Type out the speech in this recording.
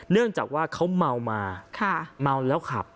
เนื่องจากว่าเขาเมามาเมาแล้วขับ